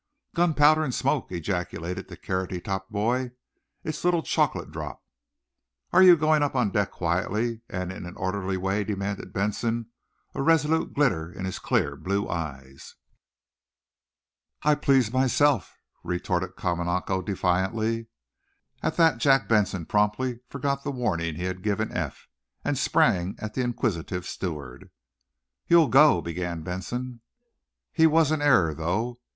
"Gunpowder and smoke!" ejaculated the carroty topped boy. "It's little chocolate drop!" "Are you going up on deck quietly and in an orderly way?" demanded Benson, a resolute glitter in his clear, blue eyes. "I please myself," retorted Kamanako, defiantly. At that Jack Benson promptly forgot the warning he had given Eph, and sprang at the inquisitive steward. "You'll go " began Benson. He was in error, though.